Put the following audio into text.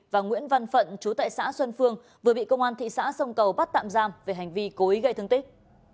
và nguyễn văn phận chú tại xã xuân phương vừa bị công an thị xã sông cầu bắt tạm giam về hành vi cố ý gây thương tích